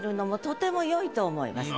とても良いと思います。